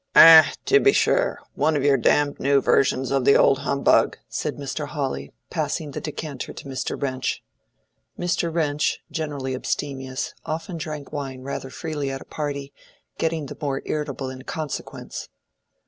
"Ah, to be sure; one of your damned new versions of old humbug," said Mr. Hawley, passing the decanter to Mr. Wrench. Mr. Wrench, generally abstemious, often drank wine rather freely at a party, getting the more irritable in consequence.